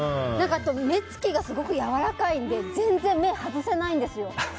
あと目つきがすごくやわらかいので全然目を外せないんですよ。